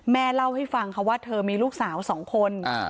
แม่เล่าให้ฟังค่ะว่าเธอมีลูกสาวสองคน